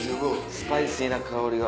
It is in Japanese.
スパイシーな香りが。